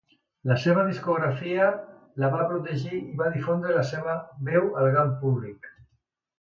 La seva discogràfica la va protegir i va difondre la seva veu al gran públic.